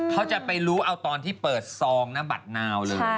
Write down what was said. เขาจะไปรู้เอาตอนที่เปิดซองนะบัตรนาวเลย